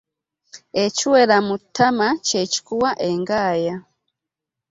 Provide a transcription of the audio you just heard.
Ekiwera mu ttama kye kikuwa engaya .